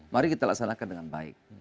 mari kita laksanakan dengan baik